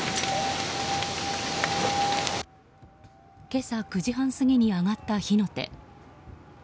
今朝９時半過ぎに上がった火の手。